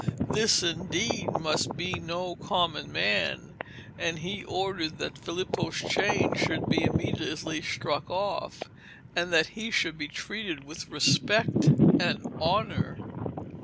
This indeed must be no common man; and he ordered that Filippo's chains should be immediately struck off, and that he should be treated with respect and honour.